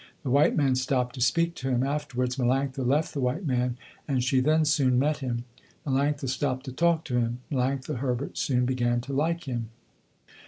The white man stopped to speak to him. Afterwards Melanctha left the white man and she then soon met him. Melanctha stopped to talk to him. Melanctha Herbert soon began to like him.